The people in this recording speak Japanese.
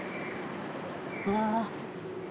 うわ。